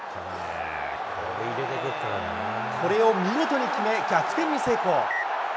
これを見事に決め、逆転に成功。